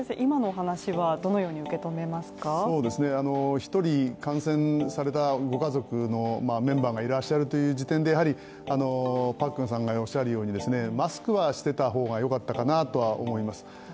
１人、感染されたご家族のメンバーがいらっしゃるという時点でパックンさんがおっしゃるようにマスクはしていた方がよかったかなとは思います。